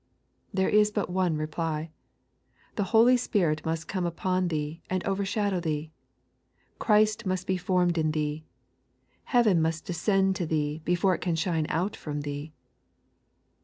There is but one reply. The Holy Spirit must come upon tiiee, and overshadow thee ; Christ must be formed in thee; Heaven must descend to thee before it can shine out from thee.